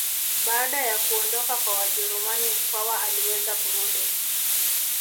Baada ya kuondoka kwa Wajerumani Mkwawa aliweza kurudi